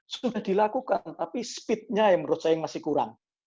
sudah dilakukan tapi speednya yang menurut saya masih kurang